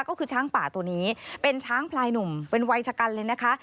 ก็คือช้างป่าตัวนี้เป็นช้างพลายหนุ่มเป็นวัยชะกันเลยนะคะ